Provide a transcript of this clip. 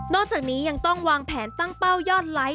จากนี้ยังต้องวางแผนตั้งเป้ายอดไลค์